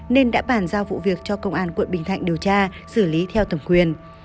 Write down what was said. nên đã bàn giao vụ việc cho công an quận bình thạnh điều tra xử lý theo thẩm quyền